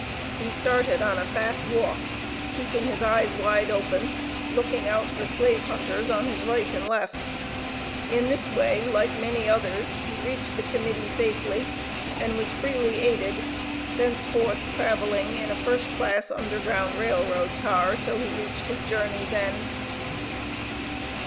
He started on a fast walk, keeping his eyes wide open, looking out for slave hunters on his right and left. In this way, like many others, he reached the Committee safely and was freely aided, thenceforth traveling in a first class Underground Rail Road car, till he reached his journey's end.